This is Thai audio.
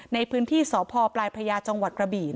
ในพื้นที่สพปลายพระยาจกระบี